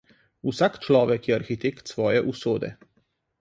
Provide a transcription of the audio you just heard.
Vsak človek je arhitekt svoje usode.